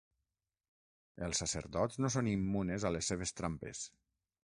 Els sacerdots no són immunes a les seves trampes.